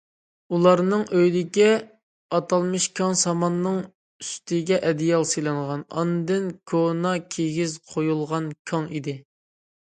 ئۇلارنىڭ ئۆيىدىكى ئاتالمىش كاڭ، ساماننىڭ ئۈستىگە ئەدىيال سېلىنغان، ئاندىن كونا كىگىز قويۇلغان كاڭ ئىدى.